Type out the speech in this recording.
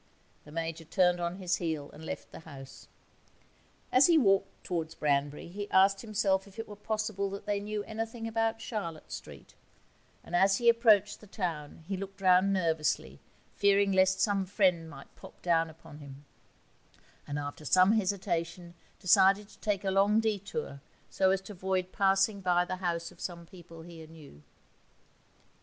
The Major turned on his heel and left the house. As he walked towards Branbury he asked himself if it were possible that they knew anything about Charlotte Street; and as he approached the town he looked round nervously, fearing lest some friend might pop down upon him, and, after some hesitation, decided to take a long detour so as to avoid passing by the house of some people he knew.